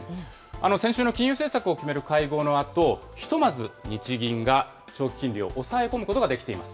先週の金融政策を決める会合のあと、ひとまず日銀が長期金利を抑え込むことができています。